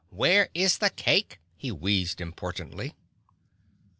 Where is the cake?" he wheezed importantly.